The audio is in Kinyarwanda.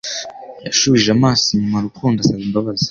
Yashubije amaso inyuma Rukundo asaba imbabazi